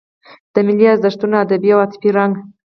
د ملي ارزښتونو ادبي او عاطفي رنګ.